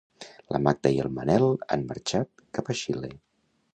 La Magda i el Manel han marxat cap a Xile.